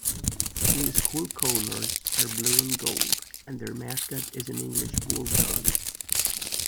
The school colors are blue and gold, and their mascot is an English bulldog.